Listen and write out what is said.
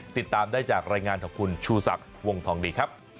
ติดตามได้จากรายงานของคุณชูสักวงทองดี